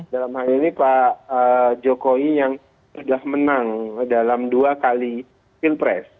dalam hal ini pak jokowi yang sudah menang dalam dua kali pilpres